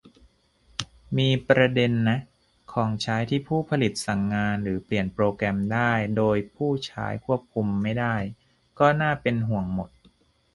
มีประเด็นนะ ของใช้ที่ผู้ผลิตสั่งงานหรือเปลี่ยนโปรแกรมได้ โดยผู้ใช้ควบคุมไม่ได้ ก็น่าเป็นห่วงหมด